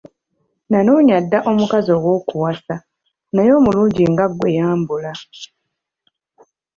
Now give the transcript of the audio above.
Nanoonya dda omukazi ow’okuwasa, naye omulungi nga ggwe yambula!